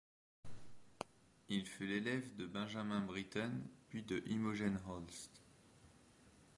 Il fut l’élève de Benjamin Britten, puis de Imogen Holst.